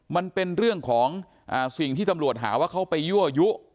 มันเป็นเรื่องของสิ่งที่ตำรวจหาว่าเขาไปยั่วยุ